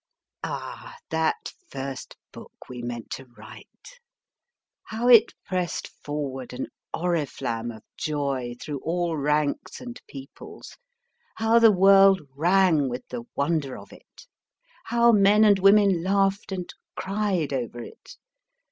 Ah ! that first book we meant to write ! How it pressed forward an oriflamme of joy, through all ranks and peoples ; how the world rang with the wonder of it ! How men and women laughed and cried over it